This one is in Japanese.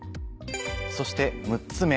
そして６つ目。